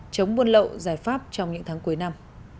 chống buôn lậu giải pháp trong những tháng cuối năm